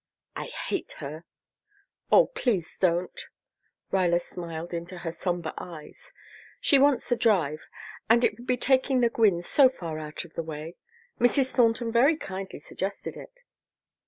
"I hate her." "Oh, please don't!" Ruyler smiled into her somber eyes. "She wants the drive, and it would be taking the Gwynnes so far out of the way. Mrs. Thornton very kindly suggested it."